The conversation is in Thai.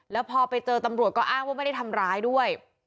แล้วพอไปเจอตำรวจก็อ้างว่าไม่ได้ทำร้ายด้วย